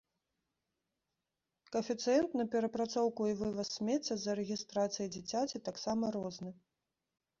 Каэфіцыент на перапрацоўку і вываз смецця з-за рэгістрацыі дзіцяці таксама розны.